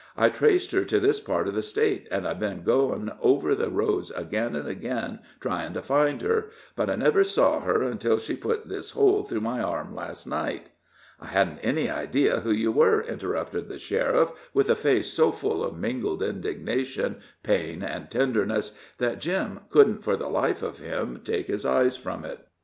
I traced her to this part of the State, and I've been going over the roads again and again trying to find her; but I never saw her until she put this hole through my arm last night." "I hadn't any idea who you were," interrupted the sheriff, with a face so full of mingled indignation, pain and tenderness, that Jim couldn't for the life of him take his eyes from it.